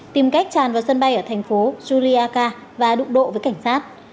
tìm cách tràn vào sân bay ở thành phố juriaka và đụng độ với cảnh sát